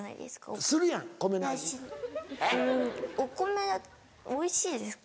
うんお米おいしいですか？